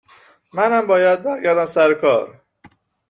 منم باید برگردم سر کار